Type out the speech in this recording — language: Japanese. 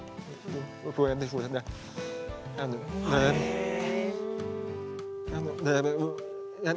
へえ。